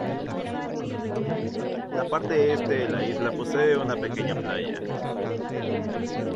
La parte este de la isla posee una pequeña playa.